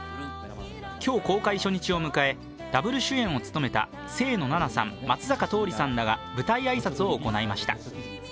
今日公開初日を迎え、ダブル主演を務めた清野菜名さん、松坂桃李さんらが舞台挨拶を行いました。